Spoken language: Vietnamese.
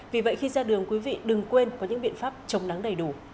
vì vậy khi ra đường quý vị đừng quên có những biện pháp chống nắng đầy đủ